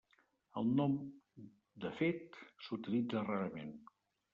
El nom de fet s'utilitza rarament.